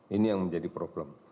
ini yang menjadi problem